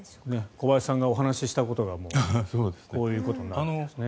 小林さんがお話ししたことがこういうことになっているわけですね。